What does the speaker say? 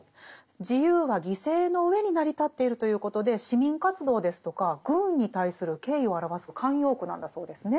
自由は犠牲の上に成り立っているということで市民活動ですとか軍に対する敬意を表す慣用句なんだそうですね。